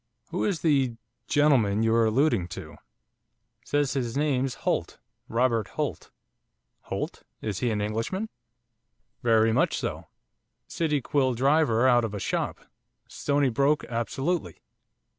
'Who is the gentleman you are alluding to?' 'Says his name's Holt, Robert Holt.' 'Holt? Is he an Englishman?' 'Very much so, City quilldriver out of a shop, stony broke absolutely!